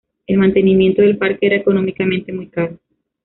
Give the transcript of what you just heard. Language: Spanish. El mantenimiento del parque era económicamente muy caro.